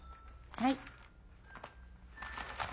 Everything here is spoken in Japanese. はい。